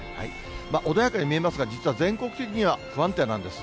穏やかに見えますが、実は全国的には不安定なんです。